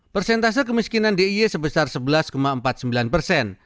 persentase kemiskinan d i y sebesar sebelas empat puluh sembilan persen